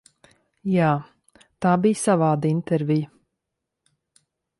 Jā, tā bija savāda intervija.